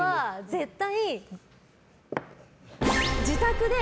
絶対。